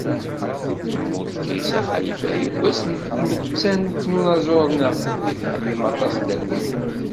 Temmut Kaysa Xalifi deg wass n tmettant n unaẓur-nneɣ i tḥemmel aṭas Dda Lwennas.